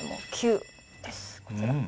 こちら。